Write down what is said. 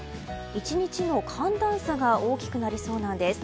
１日の寒暖差が大きくなりそうなんです。